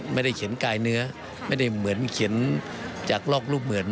ไม่ได้เขียนกายเนื้อไม่ได้เหมือนเขียนจากลอกรูปเหมือน